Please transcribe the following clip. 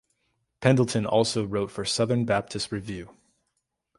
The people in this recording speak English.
Pendleton also wrote for "Southern Baptist Review".